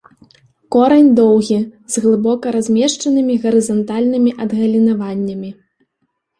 Корань доўгі, з глыбока размешчанымі гарызантальнымі адгалінаваннямі.